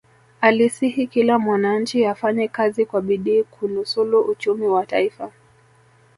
alisihi kila mwananchi afanye kazi kwa bidii kunusulu uchumi wa taifa